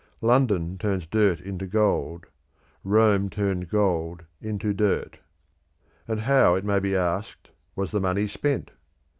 London turns dirt into gold. Rome turned gold into dirt. And how, it may be asked, was the money spent?